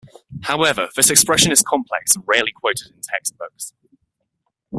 However, this expression is complex and rarely quoted in textbooks.